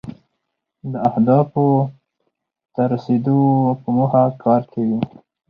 دا اهدافو ته د رسیدو په موخه کار کوي.